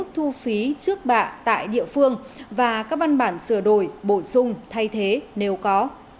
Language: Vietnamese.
trước bạ tại địa phương và các văn bản sửa đổi bổ sung thay thế nếu có